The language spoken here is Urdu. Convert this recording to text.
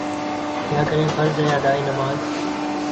کیا کریں فرض ہے ادائے نماز